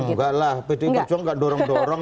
enggak lah pdi perjuangan nggak dorong dorong